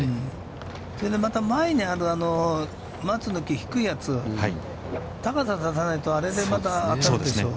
それでまた前にある松の木、低いやつ、高さを出さないと、あれでまた当たるでしょう。